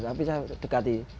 tapi saya dekati